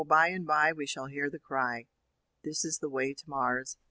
by and by we shall hear the cry, 'This is the way to Mars.